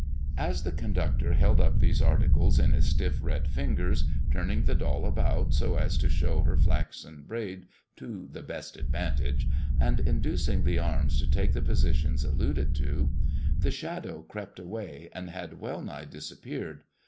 As the conductor held up these articles in his stiff, red fingers, turning the doll about so as to show her flaxen braid to the best advantage, and inducing the arms to take the positions alluded to, the Shadow crept away, and had well nigh disappeared.